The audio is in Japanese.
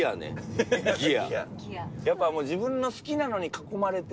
やっぱもう自分の好きなのに囲まれて。